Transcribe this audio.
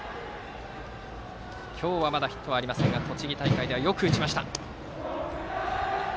今日はまだヒットはありませんが栃木大会ではよく打ちました。